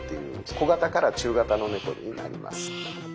小型から中型のネコになります。